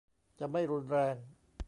จะไม่รุนแรง